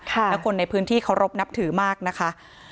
และคนในพื้นที่เคารพนับถือมากนะคะ